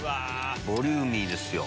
ボリューミーですよ。